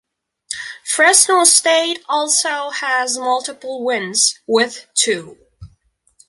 Fresno State also has multiple wins, with two.